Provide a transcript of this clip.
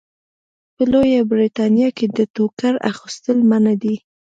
په لویه برېتانیا کې د ټوکر اغوستل منع دي.